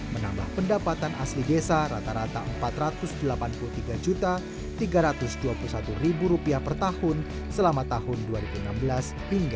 menambah pendapatan asli desa rata rata rp empat ratus delapan puluh tiga tiga ratus dua puluh satu rupiah per tahun selama tahun dua ribu enam belas hingga dua ribu dua puluh